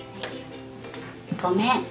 ごめん。